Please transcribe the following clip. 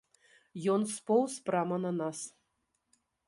Ён споўз прама на нас.